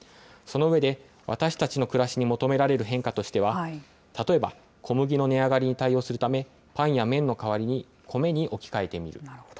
その上で、私たちの暮らしに求められる変化としては、例えば小麦の値上がりに対応するため、パンや麺の代わりに米に置き換えてみる。